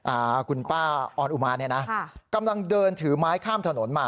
อ่าคุณป้าออนอุมาเนี่ยนะค่ะกำลังเดินถือไม้ข้ามถนนมา